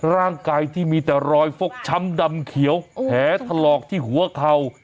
ร่างกายที่มีแต่รอยฟกช้ำดำเขียวแผลถลอกที่หัวเข่า